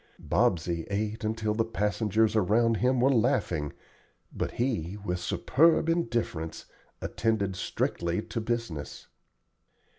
Bobsey ate until the passengers around him were laughing, but he, with superb indifference, attended strictly to business.